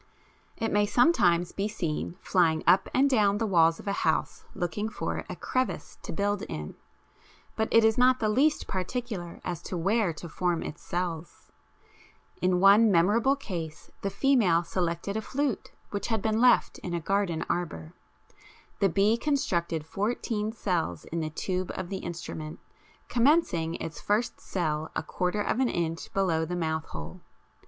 It may sometimes be seen flying up and down the walls of a house looking for a crevice to build in, but it is not the least particular as to where to form its cells. In one memorable case the female selected a flute which had been left in a garden arbour. The bee constructed fourteen cells in the tube of the instrument, commencing its first cell a quarter of an inch below the mouthhole.